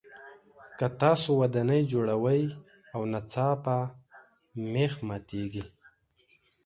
که تاسو ودانۍ جوړوئ او ناڅاپه مېخ ماتیږي.